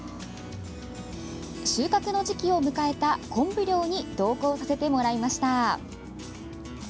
収穫の時期を迎えた昆布漁に同行させてもらいました！